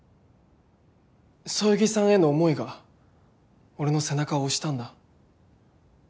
そよぎさんへの思いが俺の背中を押したんだ。